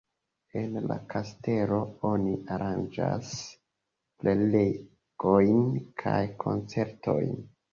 En la kastelo oni aranĝas prelegojn kaj koncertojn.